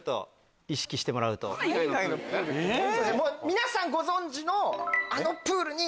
皆さんご存じの。